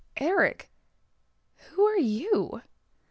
"Eric, who are you?"